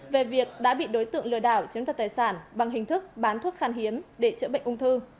về việc đã bị đối tượng lừa đảo chứng thật tài sản bằng hình thức bán thuốc khan hiếm để chữa bệnh ung thư